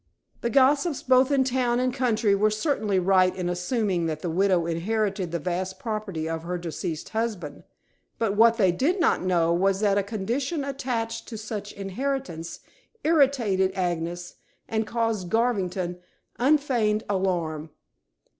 The gossips both in town and country were certainly right in assuming that the widow inherited the vast property of her deceased husband. But what they did not know was that a condition attached to such inheritance irritated Agnes and caused Garvington unfeigned alarm.